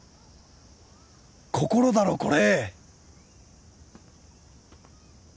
心だろこれ！